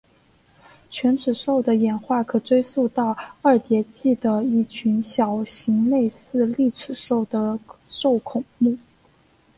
犬齿兽的演化可追溯到二叠纪的一群小型类似丽齿兽的兽孔目。